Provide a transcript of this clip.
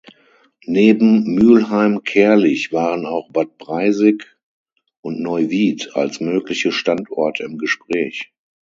Neben Mülheim-Kärlich waren auch Bad Breisig und Neuwied als mögliche Standorte im Gespräch.